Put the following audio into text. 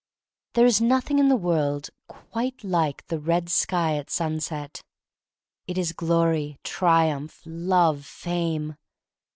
There is nothing in the world quite like this red sky at sunset. It is Glory, Triumph, Love, Fame!